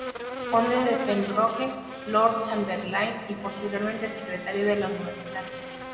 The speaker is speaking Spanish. Conde de Pembroke, Lord Chamberlain, y posteriormente Secretario de la Universidad.